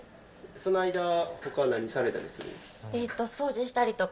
その間、お母さんは何されたりするんですか。